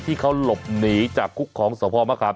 ที่เขาหลบหนีจากคุกของสพมะขาม